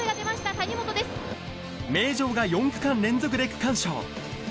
名城が４区間連続で区間賞。